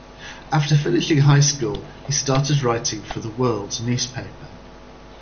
After finishing high school he started writing for "The World" newspaper.